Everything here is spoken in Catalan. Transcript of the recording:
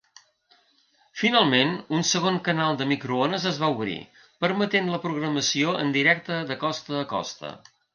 Finalment, un segon canal de microones es va obrir, permetent la programació en directe de costa a costa.